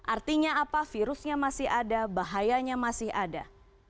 artinya apa virusnya masih ada bahayanya masih ada